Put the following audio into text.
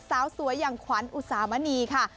สาวสวยอย่างขวัญอุสามณีค่ะ